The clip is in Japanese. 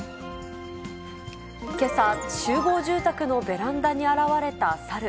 けさ、集合住宅のベランダに現れたサル。